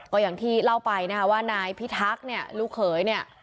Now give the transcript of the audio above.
ก็อย่างที่เล่าไปนะคะว่านายพิทักษ์เนี่ยลูกเขยเนี่ย